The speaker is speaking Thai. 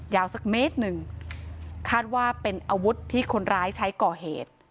สักเมตรหนึ่งคาดว่าเป็นอาวุธที่คนร้ายใช้ก่อเหตุ